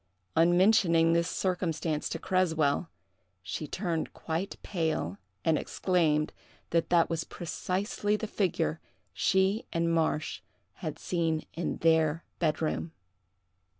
On mentioning this circumstance to Creswell, she turned quite pale and exclaimed that that was precisely the figure she and Marsh had seen in their bed room.